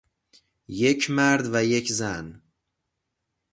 یک مرد و یک زن